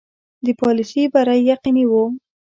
د پالیسي بری یقیني وو.